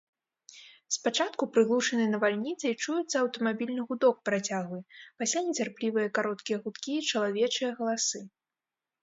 Спачатку, прыглушаны навальніцай, чуецца аўтамабільны гудок працяглы, пасля нецярплівыя кароткія гудкі і чалавечыя галасы.